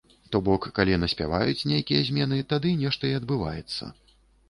То бок, калі наспяваюць нейкія змены, тады нешта і адбываецца.